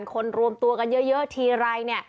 คนรวมตัวกันเยอะทีไร